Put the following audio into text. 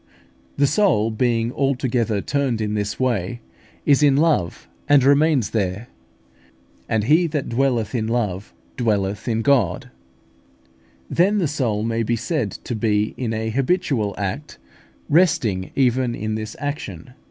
The soul being altogether turned in this way, is in love, and remains there: "And he that dwelleth in love, dwelleth in God" (1 John iv. 16). Then the soul may be said to be in a habitual act, resting even in this action.